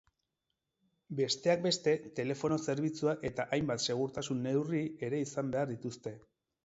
Besteak beste, telefono zerbitzua eta hainbat segurtasun neurri ere izan behar dituzte.